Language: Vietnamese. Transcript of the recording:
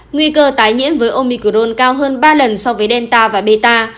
nguy cơ tái nhiễm với omicron cao hơn ba lần so với delta và beta